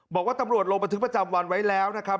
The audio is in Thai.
บอกว่าตำรวจลงบันทึกประจำวันไว้แล้วนะครับ